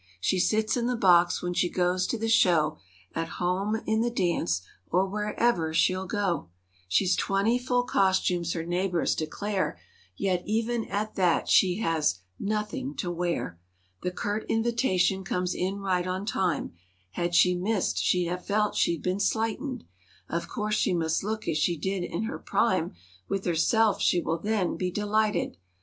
She sits in the box when she goes to the show— At home in the dance or where ever she'll go. l8 She's twenty full costumes her neighbors declare, Yet, even at that she has, "Nothing to wear." The curt invitation comes in right on time— Had she missed, she'd have felt she'd been slight¬ ed— Of course she must look as she did in her prime; With herself, she will then be delighted.